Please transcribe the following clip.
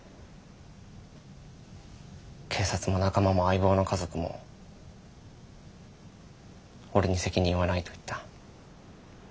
警察も仲間も相棒の家族も俺に責任はないと言った。